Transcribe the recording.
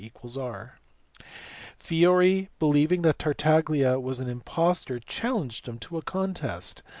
Fiori believing that Tartaglia was an impostor challenged him to a contest.